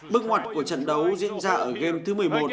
bước ngoặt của trận đấu diễn ra ở game thứ một mươi một